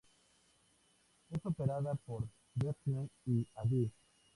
Es operada por Renfe y Adif.